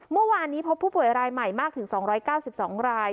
เมื่อวานนี้พบผู้ป่วยรายใหม่มากถึงสองร้อยเก้าสิบสองราย